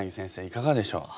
いかがでしょう？